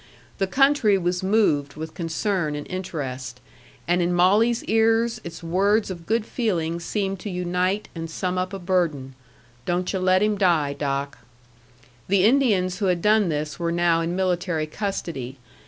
The country was moved with concern and interest; and in Molly's ears its words of good feeling seemed to unite and sum up a burden, "Don't yu' let him die, Doc." The Indians who had done this were now in military custody.